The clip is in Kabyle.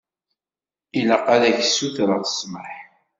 Ilaq-ak ad tsutreḍ ssmaḥ.